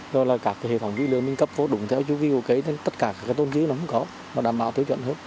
rồi là các hệ thống vũ lượng mình cấp phố đúng theo chú ký ok tất cả các tôn chứ nó không có mà đảm bảo thứ chuẩn hơn